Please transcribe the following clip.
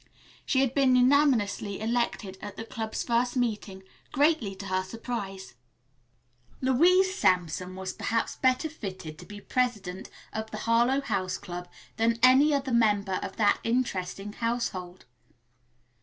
She had been unanimously elected at the club's first meeting, greatly to her surprise. Louise Sampson was perhaps better fitted to be president of the Harlowe House Club than any other member of that interesting household.